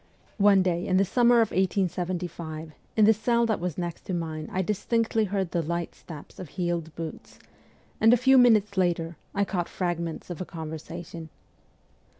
One day in the summer of 1875, in the cell that was next to mine I distinctly heard the light steps of heeled boots, and a few minutes later I caught fragments of a conversation.